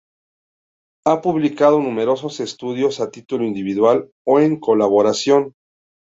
Ha publicado numerosos estudios a título individual o en colaboración.